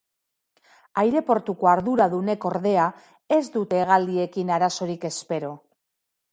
Aireportuko arduradunek, ordea, ez dute hegaldiekin arazorik espero.